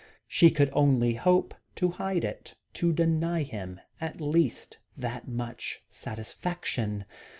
She could only hope to hide it, to deny him at least that much satisfaction.